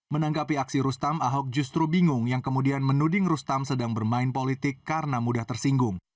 menanggapi aksi rustam ahok justru bingung yang kemudian menuding rustam sedang bermain politik karena mudah tersinggung